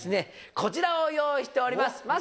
こちらを用意しております。